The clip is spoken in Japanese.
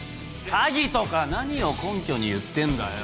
詐欺とか何を根拠に言ってんだよ